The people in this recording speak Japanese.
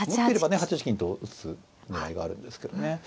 ８八金と打つ狙いがあるんですけどね。